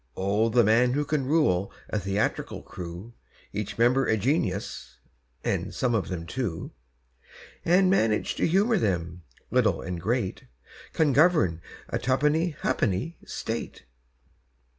Oh, the man who can rule a theatrical crew, Each member a genius (and some of them two), And manage to humour them, little and great, Can govern a tuppenny ha'penny State!